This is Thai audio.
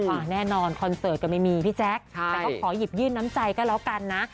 แน่นอนคอนเสิร์ตก็ไม่มีพี่แจ๊คแต่ก็ขอหยิบยื่นน้ำใจก็แล้วกันนะ